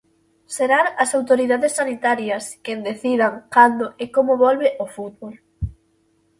Serán as autoridades sanitarias quen decidan cando e como volve o fútbol.